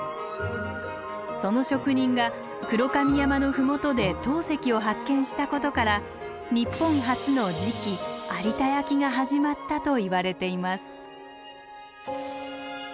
その職人が黒髪山の麓で陶石を発見したことから日本初の磁器有田焼が始まったといわれています。